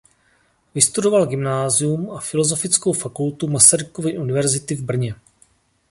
Vystudoval gymnázium a Filozofickou fakultu Masarykovy univerzity v Brně.